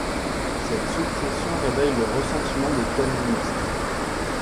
Cette succession réveille le ressentiment des calvinistes.